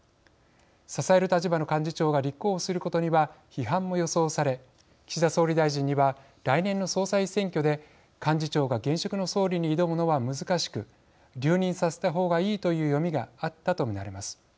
支える立場の幹事長が立候補することには批判も予想され岸田総理大臣には来年の総裁選挙で幹事長が現職の総理に挑むのは難しく留任させた方がいいという読みがあったと見られます。